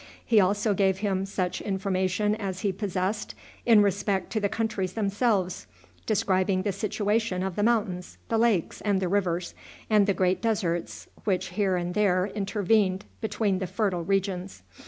He also gave him such information as he possessed in respect to the countries themselves, describing the situation of the mountains, the lakes, and the rivers, and the great deserts which here and there intervened between the fertile regions.